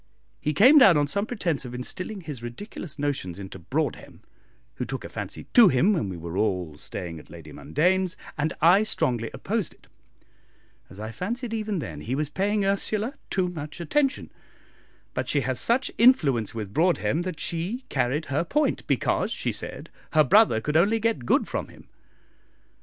He came down on some pretence of instilling his ridiculous notions into Broadhem, who took a fancy to him when we were all staying at Lady Mundane's, and I strongly opposed it, as I fancied, even then, he was paying Ursula too much attention; but she has such influence with Broadhem that she carried her point, because, she said, her brother could only get good from him.